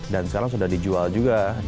dan sekarang sudah dijual juga di